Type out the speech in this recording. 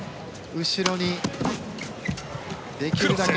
後ろにできるだけ。